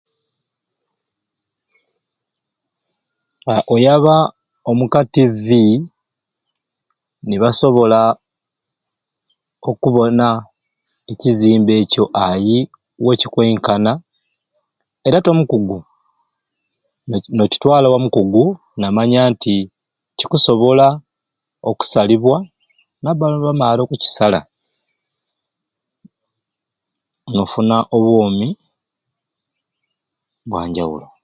Haa oyaba omu ka TV nibasobola okubona ekizimba ekyo ayi wekikwenkana era te omukugu no nokitwala owa mukugu namanya nti kikusobola okusalibwa nibaba bamaare okukisala nofuna obwomi bwanjawulo